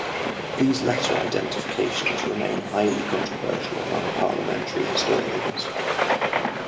These latter identifications remain highly controversial among parliamentary historians.